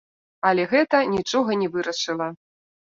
Але гэта нічога не вырашыла.